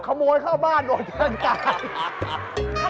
ขโมยเข้าบ้านโอเทินกา